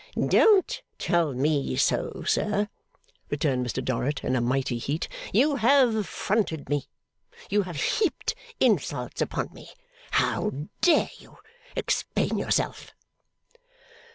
'Don't tell me so, sir,' returned Mr Dorrit, in a mighty heat. 'You have affronted me. You have heaped insults upon me. How dare you? Explain yourself.